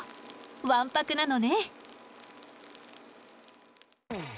わんぱくなのね。